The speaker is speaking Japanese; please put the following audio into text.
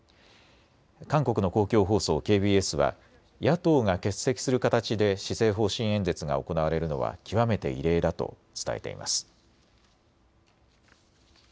韓国の公共放送、ＫＢＳは野党が欠席する形で施政方針演説が行われるのは極めて異例だと伝えています。